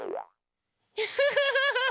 フフフフフ。